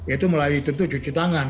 yaitu melalui tentu cuci tangan